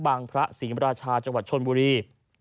พระศรีมราชาจังหวัดชนบุรี